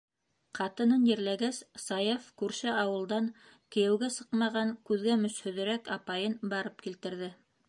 Ҡатынын ерләгәс, Саяф күрше ауылдан кейәүгә сыҡмаған, күҙгә мөсһөҙөрәк апайын барып килтерҙе.